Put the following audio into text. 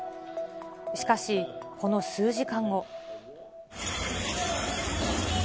しかし、この数時間後。